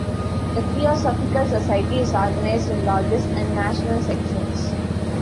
The Theosophical Society is organised in lodges and national sections.